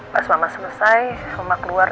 pas mama selesai rumah keluar